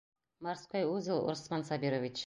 Морской үзел, Усман Сабирович!